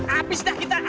habis dah kita